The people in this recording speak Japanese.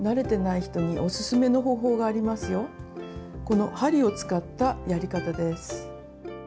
この針を使ったやり方です。